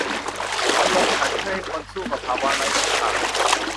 อารมณ์ขันช่วยให้คนสู้กับภาวะไร้หนทาง